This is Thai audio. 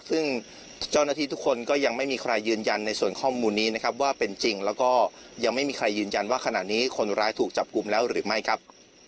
ซึ่งเจ้าหน้าที่ทุกคนก็ยังไม่มีใครยืนยันในส่วนข้อมูลนี้นะครับว่าเป็นจริงแล้วก็ยังไม่มีใครยืนยันว่าขณะนี้คนร้ายถูกจับกลุ่มแล้วหรือไม่ครับ